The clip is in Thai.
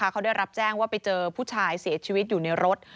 เขาได้รับแจ้งว่าไปเจอผู้ชายเสียชีวิตอยู่ในรถ